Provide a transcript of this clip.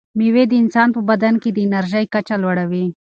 مېوې د انسان په بدن کې د انرژۍ کچه لوړوي.